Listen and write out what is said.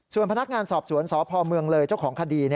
ส่วนพนักงานสอบสวนสพเมืองเลยเจ้าของคดี